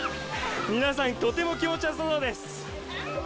皆さん、とても気持ちよさそうです。